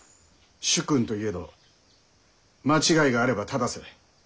主君といえど間違いがあれば正せ。